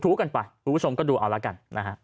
ถูกกันไปผู้ชมก็ดูเอาละกัน